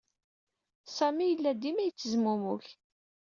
Sami yella dima yettezmumug.